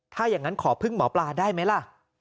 ถ้าอย่างนั้นขอพึ่งหมอปลาได้ไหมล่ะ